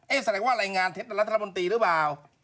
เอ๊ะแสดงว่าแรงงานเท็จจากรัฐบนตรีหรือเปล่า